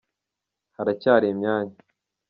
haracyari imyanya.